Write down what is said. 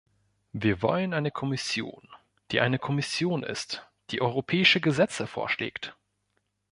Wir wollen eine Kommission, die eine Kommission ist, die europäische Gesetze vorschlägt.